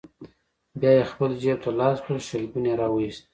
بيا يې خپل جيب ته لاس کړ، شلګون يې راوايست: